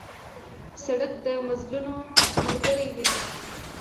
سړک د مزلونو ملګری دی.